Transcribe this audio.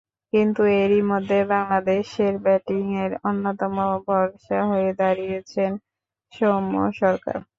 কিন্তু এরই মধ্যে বাংলাদেশের ব্যাটিংয়ের অন্যতম ভরসা হয়ে দাঁড়িয়েছেন সৌম্য সরকার।